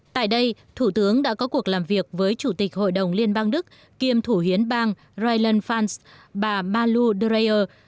tại đây thủ tướng đã có cuộc làm việc với chủ tịch hội đồng liên bang đức kiêm thủ hiến bang rheinland pfalz bà malu dreyer